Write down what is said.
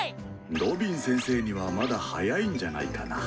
ロビン先生にはまだ早いんじゃないかなぁ。